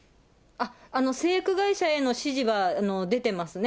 製薬会社への指示は出てますね。